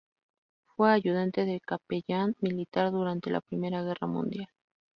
Fue ayudante de capellán militar durante la Primera Guerra Mundial.